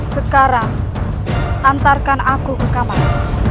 sekarang antarkan aku ke kamar